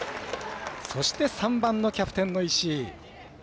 そして、３番のキャプテンの石井。